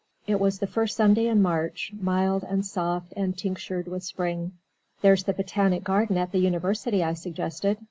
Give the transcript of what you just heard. It was the first Sunday in March mild and soft and tinctured with spring. "There's the botanic garden at the University," I suggested.